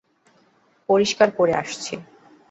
পরিষ্কার করে আসছি।